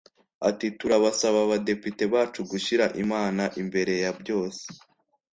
Ati “Turabasaba Badepite bacu gushyira Imana mbere ya byose